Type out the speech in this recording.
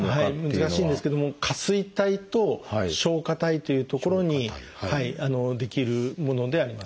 難しいんですけども下垂体と松果体という所に出来るものであります。